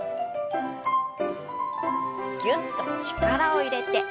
ぎゅっと力を入れて下。